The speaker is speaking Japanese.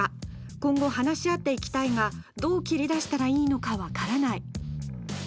今後、話し合っていきたいがどう切り出したらいいのか分からない。